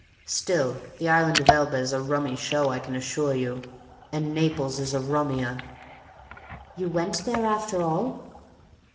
Still, the Island of Elba is a rummy show, I can assure you. And Naples is a rummier!" "You went there after all?"